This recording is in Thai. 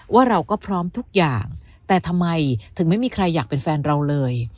ว่าเราก็พร้อมทุกอย่างแต่ทำไมถึงไม่มีใครอยากเป็นแฟนเราเลย